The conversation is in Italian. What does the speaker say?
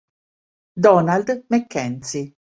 Donald MacKenzie